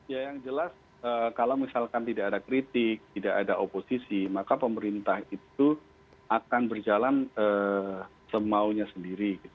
ya yang jelas kalau misalkan tidak ada kritik tidak ada oposisi maka pemerintah itu akan berjalan semaunya sendiri